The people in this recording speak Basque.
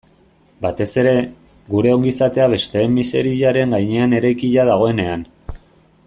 Batez ere, gure ongizatea besteen miseriaren gainean eraikia dagoenean.